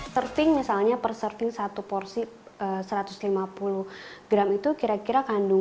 surfing misalnya per surfing satu porsi satu ratus lima puluh gram itu kira kira kandung